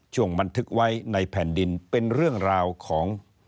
บันทึกไว้ในแผ่นดินเป็นเรื่องราวของ